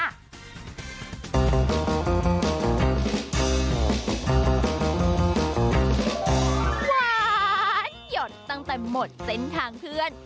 ร้านหยดตั้งแต่หมดเส้นทางเพื่อน